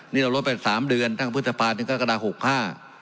นี่เราลดไปสามเดือนทั้งพฤษภาถึงกรกฎาหกห้า